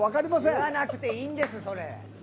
言わなくていいんです。